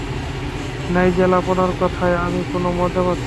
Nigel, আপনার কথায় আমি কোনো মজা পাচ্ছি না।